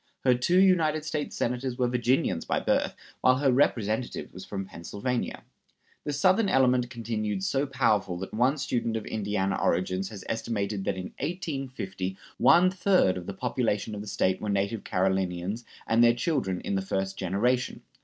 Her two United States Senators were Virginians by birth, while her Representative was from Pennsylvania. The Southern element continued so powerful that one student of Indiana origins has estimated that in 1850 one third of the population of the State were native Carolinians and their children in the first generation.